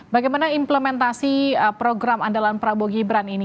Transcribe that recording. bagaimana implementasi program andalan prabowo gibran ini